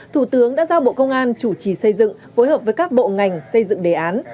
thủ tướng đã giao bộ công an chủ trì xây dựng phối hợp với các bộ ngành xây dựng đề án